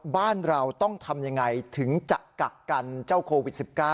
บ้านเราต้องทำยังไงถึงจะกักกันเจ้าโควิด๑๙